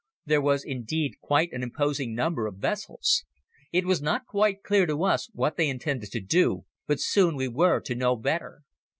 There was indeed quite an imposing number of vessels. It was not quite clear to us what they intended to do, but soon we were to know better.